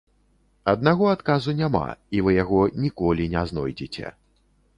Аднаго адказу няма, і вы яго ніколі не знойдзеце.